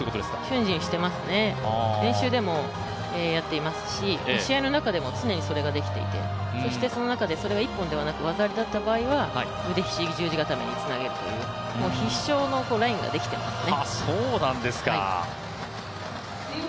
瞬時にしてますね練習でもやっていますし試合の中でも常にそれができていて、その中でそれが一本ではなくて技ありだった場合は腕ひしぎ十字固めにつなげるという必勝のラインができてますね。